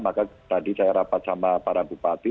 maka tadi saya rapat sama para bupati